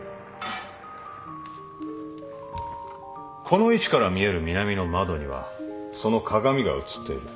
この位置から見える南の窓にはその鏡が映っている。